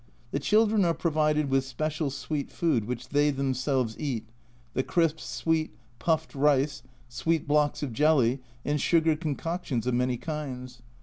The children are provided with special sweet food which they themselves eat, the crisp sweet "puffed" rice, sweet blocks of jelly and sugar concoctions of many kinds.